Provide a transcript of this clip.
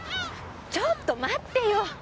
ちょっと待ってよ！